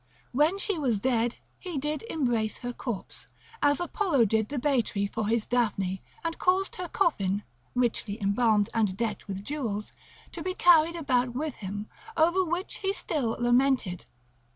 When she was dead, he did embrace her corpse, as Apollo did the bay tree for his Daphne, and caused her coffin (richly embalmed and decked with jewels) to be carried about with him, over which he still lamented.